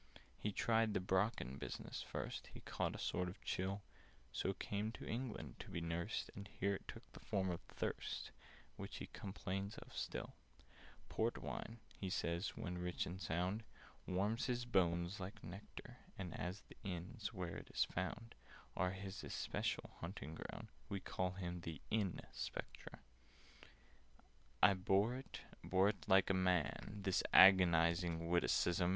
"He tried the Brocken business first, But caught a sort of chill; So came to England to be nursed, And here it took the form of thirst, Which he complains of still. [Picture: And here it took the form of thirst] "Port wine, he says, when rich and sound, Warms his old bones like nectar: And as the inns, where it is found, Are his especial hunting ground, We call him the Inn Spectre." I bore it—bore it like a man— This agonizing witticism!